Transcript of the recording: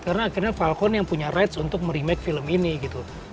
karena akhirnya falcon yang punya rights untuk merimake film ini gitu